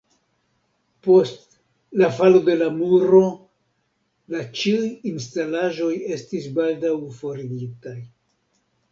Post "„la falo de la muro“" la ĉiuj instalaĵoj estis baldaŭ forigitaj.